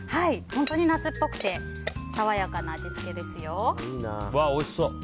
本当に夏っぽくて爽やかな味付けですよ。